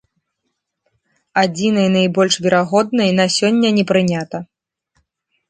Адзінай найбольш верагоднай на сёння не прынята.